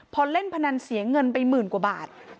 พอเล่นพนันเสียเงินไปหมื่นกว่าบาท